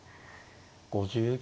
５０秒。